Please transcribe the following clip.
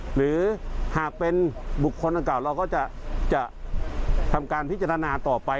หากเป็นบุคคลเกษตรเก่าเราก็จะทำการพิจารณาต่อไป